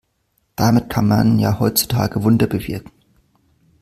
Damit kann man ja heutzutage Wunder bewirken.